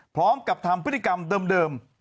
พร้อมกับทำพฤติกรรมเดิม